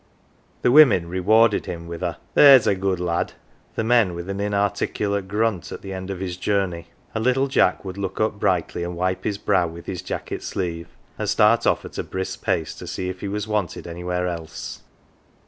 The women rewarded him with a " There^s a good lad !" the men with an inarticulate grunt at the end of his journey ; and little Jack would look up brightly, and wipe his brow with his jacket sleeve and start off at a brisk pace to see if he was wanted anywhere else.